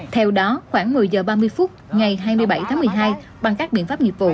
theo đó khoảng một mươi h ba mươi phút ngày hai mươi bảy tháng một mươi hai bằng các biện pháp nghiệp vụ